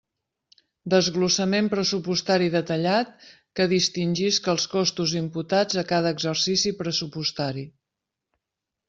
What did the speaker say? Desglossament pressupostari detallat que distingisca els costos imputats a cada exercici pressupostari.